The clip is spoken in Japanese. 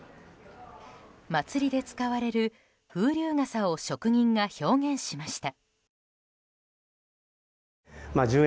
祭で使われる風流傘を職人が表現しました。